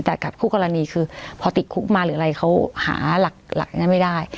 แต่กับคู่กรณีคือพอติดคุกมาหรืออะไรเขาหาหลักอย่างนั้นไม่ได้